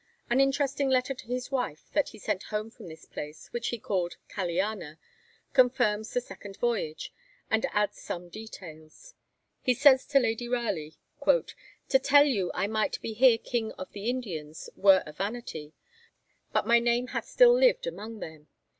An interesting letter to his wife that he sent home from this place, which he called 'Caliana,' confirms the Second Voyage, and adds some details. He says to Lady Raleigh: 'To tell you I might be here King of the Indians were a vanity; but my name hath still lived among them.